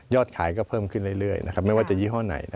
ขายก็เพิ่มขึ้นเรื่อยไม่ว่าจะยี่ห้อไหน